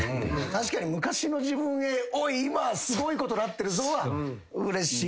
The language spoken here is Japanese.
確かに昔の自分へ今すごいことなってるぞはうれしい。